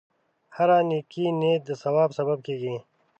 هره نیکه نیت د ثواب سبب کېږي.